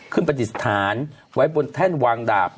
ขึ้นบรรดิสถานไว้บนแท่นวางดาบ